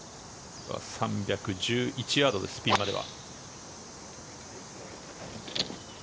３１１ヤードですピンまでは。